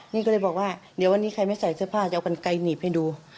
นี่ก็เลยบอกว่าเดี๋ยววันนี้ใครไม่ใส่เสื้อผ้าจะเอากันไกลหนีบให้ดู